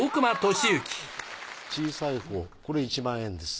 小さいほうこれ１万円です。